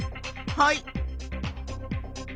はい。